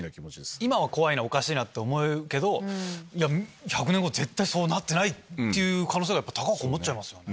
今は怖いなおかしいなって思うけど１００年後絶対そうなってないって可能性がやっぱ高く思っちゃいますよ。